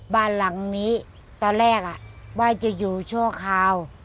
บ้านหลังนี้ตอนแรกว่าจะอยู่ชั่วคราว